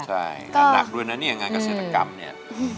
ใช่งานหนักด้วยนะเนี่ยงานเกษตรกรรมเนี่ย